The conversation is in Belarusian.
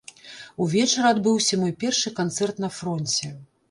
Увечары адбыўся мой першы канцэрт на фронце.